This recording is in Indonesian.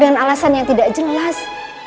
dengan alasan yang tidak jelas